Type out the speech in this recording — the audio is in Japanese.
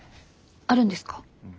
あるんですか？